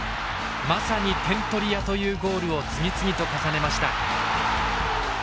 まさに点取り屋というゴールを次々と重ねました。